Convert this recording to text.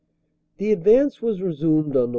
The advance was resumed on Nov.